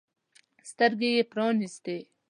سترګې يې پرانیستې.